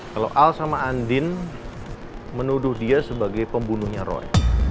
kalau al sama andin menuduh dia sebagai pembunuhnya roy